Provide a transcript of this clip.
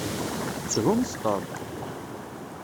Shumt Tom!